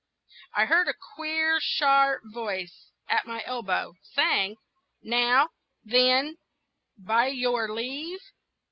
I heard a queer, sharp voice at my elbow, saying, "Now, then, by your leave!"